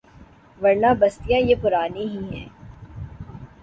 ورنہ بستیاں یہ پرانی ہی ہیں۔